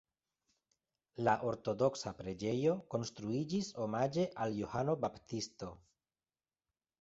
La ortodoksa preĝejo konstruiĝis omaĝe al Johano Baptisto.